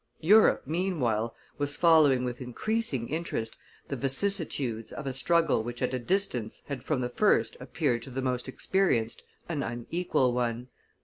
Europe, meanwhile, was following with increasing interest the vicissitudes of a struggle which at a distance had from the first appeared to the most experienced an unequal one.